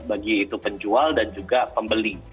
bagi itu penjual dan juga pembeli